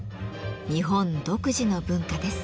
日本独自の文化です。